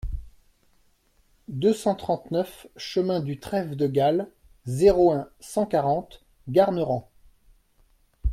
deux cent trente-neuf chemin du Trève de Galle, zéro un, cent quarante, Garnerans